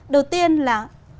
đầu tiên là